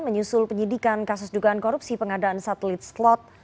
menyusul penyidikan kasus dugaan korupsi pengadaan satelit slot